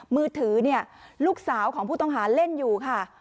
มือถือเนี่ยลูกสาวของผู้ต้องหาเล่นอยู่ค่ะ